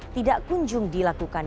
tidak kunjung dilakukan